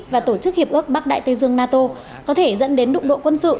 và tổ chức hiệp ước bắc đại tây dương nato có thể dẫn đến đụng độ quân sự